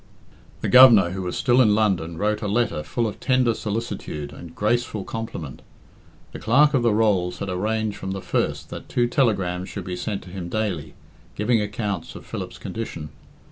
The Governor, who was still in London, wrote a letter full of tender solicitude and graceful compliment. The Clerk of the Rolls had arranged from the first that two telegrams should be sent to him daily, giving accounts of Philip's condition.